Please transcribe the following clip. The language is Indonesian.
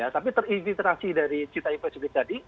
tapi terinspirasi dari cita investment bank tadi